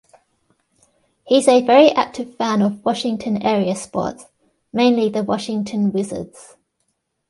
He's a very active fan of Washington area sports, mainly the Washington Wizards.